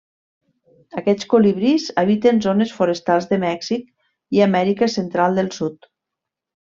Aquests colibrís habiten zones forestals de Mèxic i Amèrica Central i del Sud.